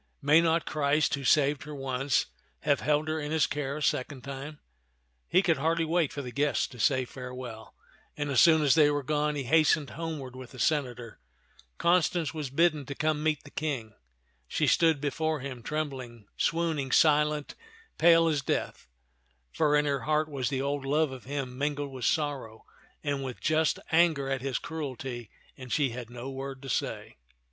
May not Christ, who saved her once, have held her in his care a second time ?" He could hardly wait for the guests to say farewell ; and as soon as they were gone, he hastened homeward with the senator. Con stance was bidden to come to meet the King. She stood before him, trembling, swooning, silent, pale as death ; for in her heart was the old love of him min gled with sorrow and with just anger at his cruelty, and she had no word to say.